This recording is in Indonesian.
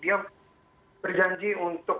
dia berjanji untuk